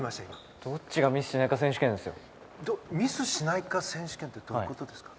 ミスしないか選手権ってどういうことですか？